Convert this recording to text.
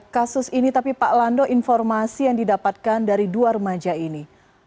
kasus ini tapi pak lando informasi yang didapatkan dari dua remaja ini